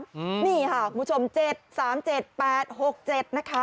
นี่ค่ะคุณผู้ชม๗๓๗๘๖๗นะคะ